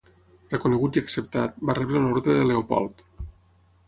Reconegut i acceptat, va rebre l'Ordre de Leopold.